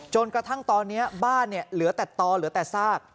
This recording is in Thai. จนกระทั่งตอนนี้บ้านเหลือแต่ต่อเหลือแต่ซาก